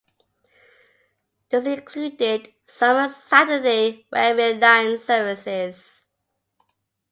This included Summer Saturday Wherry Lines services.